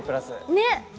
ねっ！